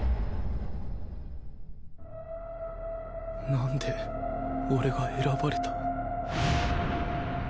なんで俺が選ばれた？